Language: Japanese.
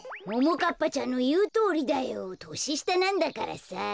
ももかっぱちゃんのいうとおりだよ。とししたなんだからさ。